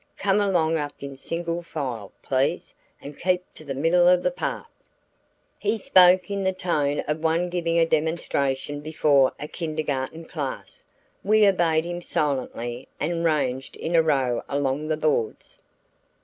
Come along up in single file, please, and keep to the middle of the path." He spoke in the tone of one giving a demonstration before a kindergarten class. We obeyed him silently and ranged in a row along the boards.